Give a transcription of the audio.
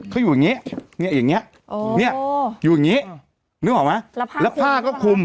เขาอยู่อย่างนี้เนี่ยอย่างนี้อยู่อย่างนี้นึกออกไหมแล้วผ้าก็คุม